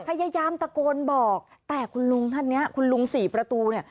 พยายามตะโกนบอกแต่คุณลุงท่านเนี้ยคุณลุงสี่ประตูเนี่ย